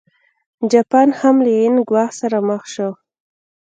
جاپان هم له عین ګواښ سره مخ شو.